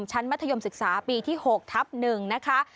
มัธยมศึกษาปีที่๖ทับ๑นะคะ